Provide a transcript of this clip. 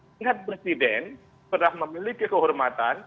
sehingga presiden sudah memiliki kehormatan